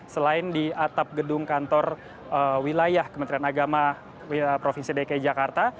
selain di atap gedung kantor wilayah kementerian agama provinsi dki jakarta